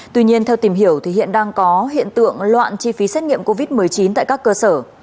tuy nhiên theo tìm hiểu thì hiện đang có hiện tượng loạn chi phí xét nghiệm covid một mươi chín tại các cơ sở